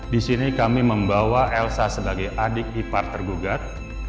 disini kami membawa elsa sebagai adik hipar tergugat